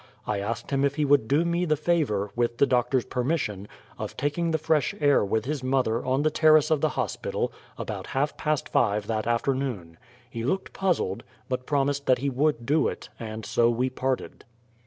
I asked him if he would do me the favor, with the doctor's permission, of taking the fresh air with his mother on the terrace of the hospital about half past five that afternoon. He looked puzzled, but promised that he would do it; and so we parted.